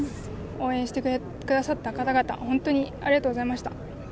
応援してくださった方々、本当にありがとうございました。